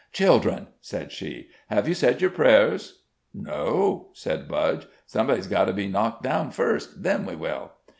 "Children," said she, "have you said your prayers?" "No," said Budge; "somebody's got to be knocked down first. Then we will."